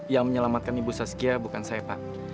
yang menyelamatkan ibu saskia bukan saya pak